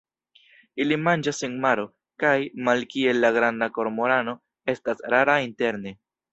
Ili manĝas en maro, kaj, malkiel la Granda kormorano, estas rara interne.